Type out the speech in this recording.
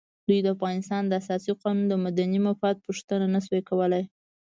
دوی د افغانستان د اساسي قانون د مدني مفاد پوښتنه نه شوای کولای.